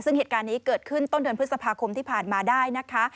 ซึ่งเหตุการณ์นี้เกิดขึ้นต้นเดือนพฤษภาคมที่ผ่านมาได้นะคะ